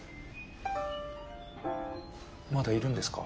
まだいるんですか？